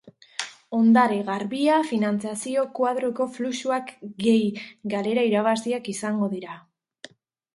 Ondare garbia, finantzazio-koadroko fluxuak gehi galera-irabaziak izango da.